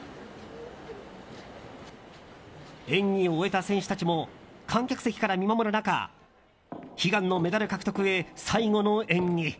演技を終えた選手たちも観客席から見守る中悲願のメダル獲得へ最後の演技。